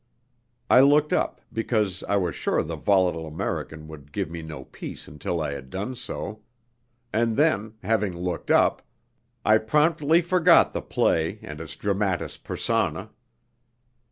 I looked up, because I was sure the volatile American would give me no peace until I had done so; and then, having looked up, I promptly forgot the play and its dramatis personæ.